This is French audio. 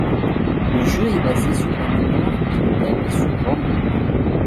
Le jeu est basé sur la mémoire et le thème est sur Rome.